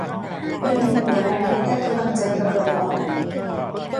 มันถึงหัวแล้วและกำลังจะระเบิดออก !